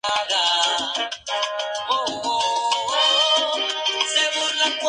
Sería la mejor campaña, estadísticamente hablando, de Michel.